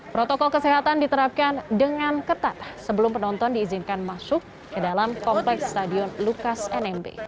protokol kesehatan diterapkan dengan ketat sebelum penonton diizinkan masuk ke dalam kompleks stadion lukas nmb